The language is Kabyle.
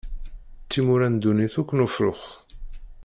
Timura n ddunit akk n ufrux.